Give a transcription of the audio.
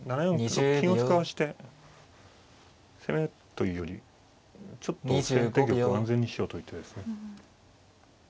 金を使わして攻めというよりちょっと先手玉を安全にしようという手ですね。